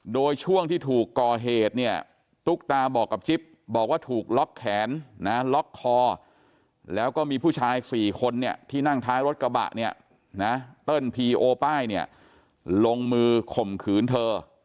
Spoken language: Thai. โดยช่วงที่ถูกก่อเหตุเนี่ยตุ๊กตาบอกกับจิ๊บบอกว่าถูกล็อกแขนนะล็อกคอแล้วก็มีผู้ชาย๔คนเนี่ยที่นั่งท้ายรถกระบะเนี่ยนะเติ้ลพีโอป้ายเนี่ยลงมือข่มขืนเธอ